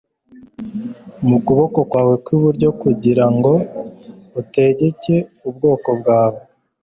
mu kuboko kwawe kw'iburyo kugira ngo utegeke ubwoko bwawe